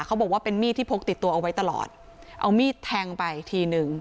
เขาบอกว่าเป็นมีดที่พกติดตัวเอาไว้ตลอดเอามีดแทงไปทีนึง